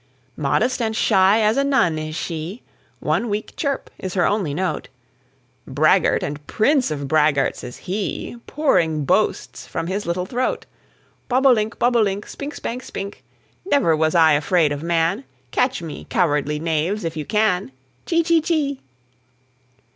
Modest and shy as a nun is she; One weak chirp is her only note; Braggart, and prince of braggarts is he, Pouring boasts from his little throat, Bob o' link, bob o' link, Spink, spank, spink, Never was I afraid of man, Catch me, cowardly knaves, if you can. Chee, chee, chee.